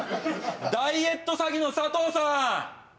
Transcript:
ダイエット詐欺の佐藤さん！